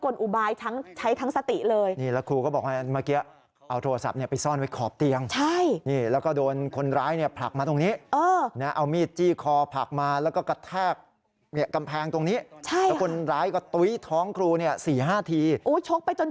แล้วที่เมื่อกี้น้องพูดบอกว่าเขาจะพยายามข่มขืนเราใช่ไหม